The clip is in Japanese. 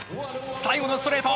最後のストレート。